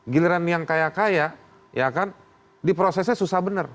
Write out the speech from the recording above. giliran yang kaya kaya ya kan diprosesnya susah benar